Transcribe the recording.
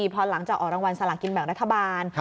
พอหลังจากออกรางวัลสลากินแบ่งรัฐบาล